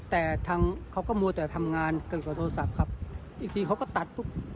แต่เขาก็มัวแต่ทำงานเกิดกับโทรศัพท์ครับอีกทีเขาก็ตัด